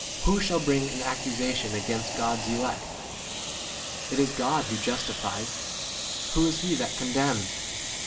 33 Who shall bring an accusation against God's elect ? [It is] God 3i who justifies : who is he that con demns